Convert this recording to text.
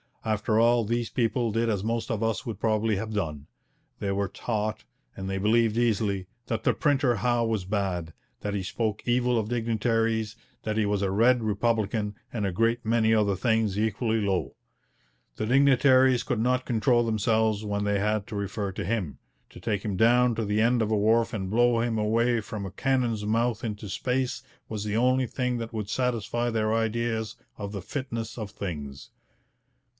After all, these people did as most of us would probably have done. They were taught, and they believed easily, that the printer Howe was bad, that he spoke evil of dignitaries, that he was a red republican, and a great many other things equally low. The dignitaries could not control themselves when they had to refer to him; to take him down to the end of a wharf and blow him away from a cannon's mouth into space was the only thing that would satisfy their ideas of the fitness of things.